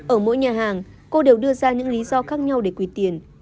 ở mỗi nhà hàng cô đều đưa ra những lý do khác nhau để quỳ tiền